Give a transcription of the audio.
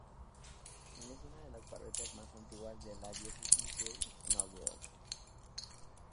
Es una de las parroquias más antiguas de la diócesis de Knoxville.